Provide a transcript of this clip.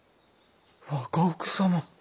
若奥様。